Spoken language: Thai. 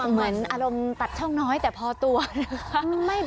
เหมือนอารมณ์ตัดช่องน้อยแต่พอตัวนะคะ